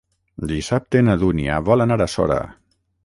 Dissabte na Dúnia vol anar a Sora.